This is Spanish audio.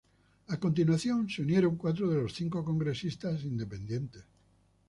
A continuación se unieron cuatro de los cinco congresistas independientes.